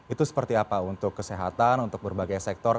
itu seperti apa untuk kesehatan untuk berbagai sektor